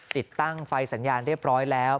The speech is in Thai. ติดตั้งไฟสัญญาณเรียบร้อยแล้ว